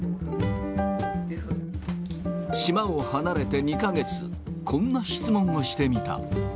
島を離れて２か月、こんな質問をしてみた。